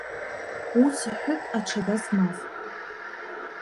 Ус иҳәыт аҽада змаз…